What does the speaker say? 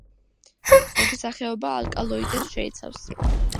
ზოგი სახეობა ალკალოიდებს შეიცავს.